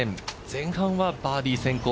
前半はバーディー先行。